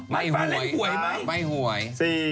ไม่หวย